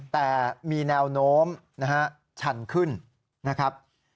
แต่มีแนวโน้มนะฮะชันขึ้นนะครับ